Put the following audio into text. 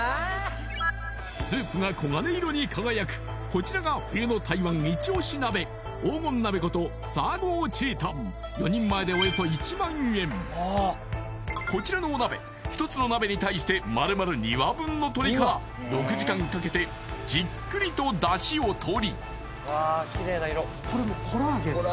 スープが黄金色に輝くこちらが冬の台湾イチオシ鍋黄金鍋ことこちらのお鍋１つの鍋に対して丸々２羽分の鶏から６時間かけてじっくりとだしをとりこれもコラーゲンです